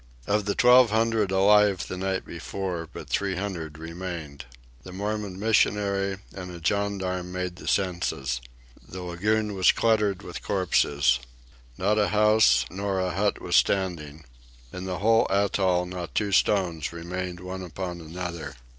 Of the twelve hundred alive the night before but three hundred remained. The Mormon missionary and a gendarme made the census. The lagoon was cluttered with corpses. Not a house nor a hut was standing. In the whole atoll not two stones remained one upon another.